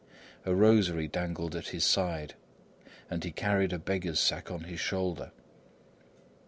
A rosary dangled at his side and he carried a beggar's sack on his shoulder.